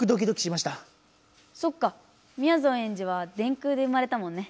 そっかみやぞんエンジは電空で生まれたもんね！